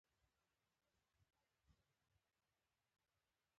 یا شاید کوم یاږ دی چې هلته ګرځي